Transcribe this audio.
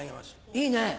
いいね。